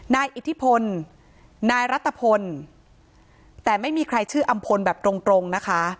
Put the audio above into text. อิทธิพลนายรัฐพลแต่ไม่มีใครชื่ออำพลแบบตรงตรงนะคะ